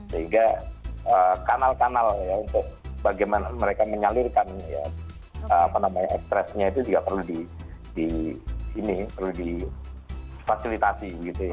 sehingga kanal kanal ya untuk bagaimana mereka menyalurkan apa namanya stressnya itu juga perlu di ini perlu di fasilitasi gitu ya